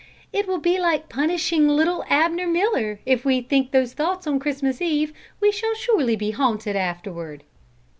"It will be like punishing little Abner Miller; if we think those thoughts on Christmas Eve, we shall surely be haunted afterward."